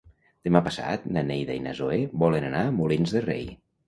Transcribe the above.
Demà passat na Neida i na Zoè volen anar a Molins de Rei.